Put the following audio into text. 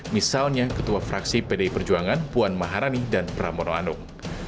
misalnya ketua fraksi pdi perjuangan puan maharani dan pramono anung